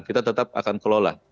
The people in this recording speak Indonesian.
kita tetap akan kelola